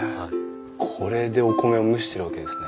これでお米を蒸してるわけですね。